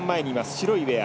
白いウエア。